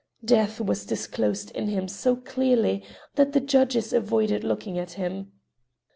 Death was disclosed in him so clearly that the judges avoided looking at him.